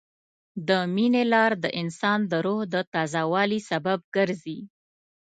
د مینې لار د انسان د روح د تازه والي سبب ګرځي.